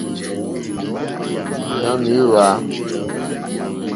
Ɲàmà í hwǎ.